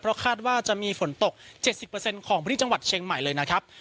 เพราะคาดว่าจะมีฝนตกเจ็ดสิบเปอร์เซ็นต์ของบริษัทจังหวัดเชียงใหม่เลยนะครับ